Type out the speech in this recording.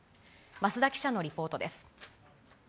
増田記者のリポートです。